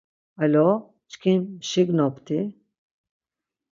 Alo, çkin mşignopti?